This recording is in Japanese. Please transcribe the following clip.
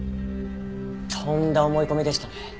とんだ思い込みでしたね。